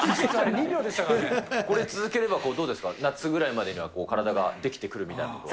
これ、続ければ、どうですかね、夏ぐらいまでには体ができてくるみたいなことは。